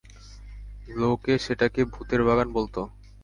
লোকে সেটাকে ভূতের বাগান বলত।